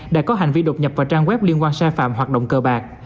đã có hành vi đột nhập vào trang web liên quan sai phạm hoạt động cờ bạc